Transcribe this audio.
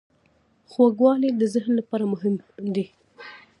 خوږوالی د ذهن لپاره هم مهم دی.